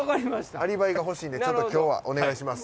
アリバイが欲しいんでちょっと今日はお願いします。